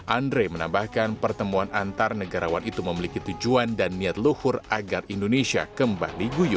andre menambahkan pertemuan antar negarawan itu memiliki tujuan dan niat luhur agar indonesia kembali guyur